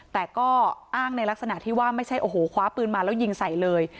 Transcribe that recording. แต่ก็อ้างในลักษณะที่ว่าไม่ใช่โอ้โหคว้าปืนมาแล้วยิงใส่เลย